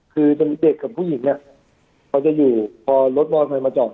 คือจะมีเด็กกับผู้หญิงเขาจะอยู่พอรถบอร์ไทน์มาจอด